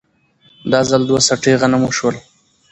دا ځل دوه څټې غنم وشول